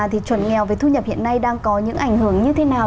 thì chuẩn nghèo về thu nhập hiện nay đang có những ảnh hưởng như thế nào